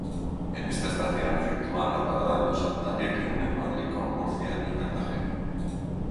En esta estación efectúan parada los Altaria que unen Madrid con Murcia y Cartagena.